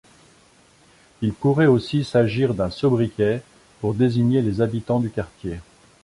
Il pourrait aussi s'agir d'un sobriquet pour désigner les habitants du quartier.